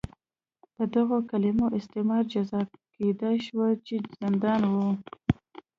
د دغو کلیمو استعمال جزا کېدای شوه چې زندان و.